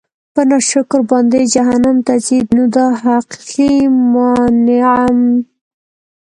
په ناشکر باندي جهنّم ته ځي؛ نو د حقيقي مُنعِم